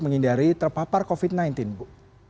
menghindari terpapar covid sembilan belas bu